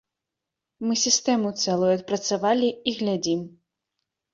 Мы сістэму цэлую адпрацавалі і глядзім.